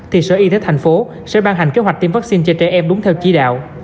thì sở y tế tp sẽ ban hành kế hoạch tiêm vaccine cho trẻ em đúng theo chỉ đạo